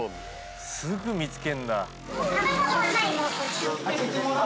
すぐ見つけんだ。